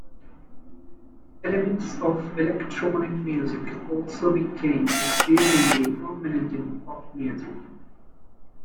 Elements of electronic music also became increasingly prominent in pop music.